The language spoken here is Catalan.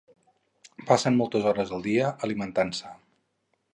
Passen moltes hores al dia alimentant-se.